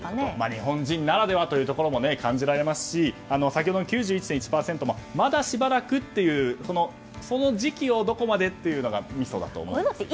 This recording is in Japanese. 日本人ならではというところも感じられますし先ほどの９１．１％もまだしばらくというその時期をどこまでというのがみそだと思いますが。